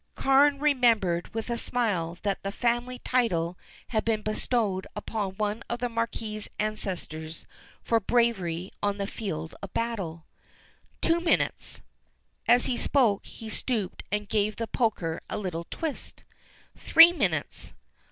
Carne remembered with a smile that the family title had been bestowed upon one of the Marquis' ancestors for bravery on the field of battle. "Two minutes!" As he spoke he stooped and gave the poker a little twist. "Three minutes!"